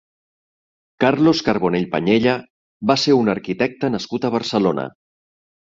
Carlos Carbonell Pañella va ser un arquítecte nascut a Barcelona.